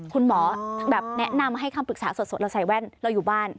คุณหมอแบบแนะนำให้คำปรึกษาสดเราใส่แว่นเราอยู่บ้าน